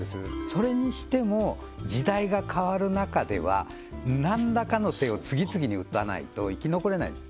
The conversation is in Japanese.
それにしても時代が変わる中では何らかの手を次々に打たないと生き残れないです